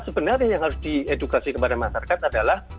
sebenarnya yang harus diedukasi kepada masyarakat adalah